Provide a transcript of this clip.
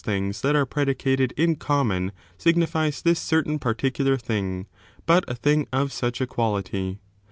201 of those thiiigs that are predicated in common signifies this certain particular thing, but a thing of such a quiJity.